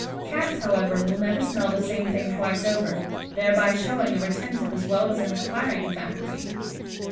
Cats, however, will never smell the same thing twice over, thereby showing a retentive as well as an acquiring faculty.